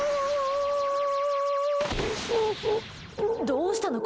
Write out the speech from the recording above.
どうしたの？